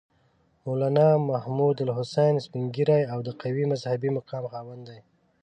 مولنا محمودالحسن سپین ږیری او د قوي مذهبي مقام خاوند دی.